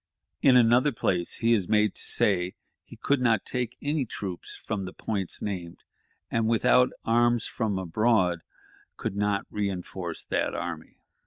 In another place he is made to say he could not take any troops from the points named, and, "without arms from abroad, could not reënforce that army."